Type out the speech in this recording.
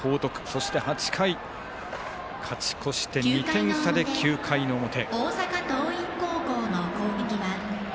そして、８回、勝ち越して２点差で９回の表。